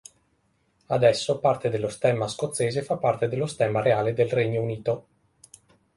Adesso parte dello stemma scozzese fa parte dello stemma reale del Regno Unito.